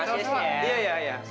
makan yang banyak